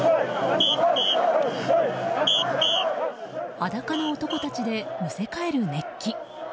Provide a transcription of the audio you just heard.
裸の男たちで、むせ返る熱気。